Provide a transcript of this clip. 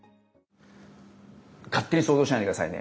勝手に想像しないでくださいね。